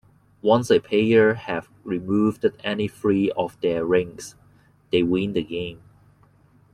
Once a player has removed any three of their rings, they win the game.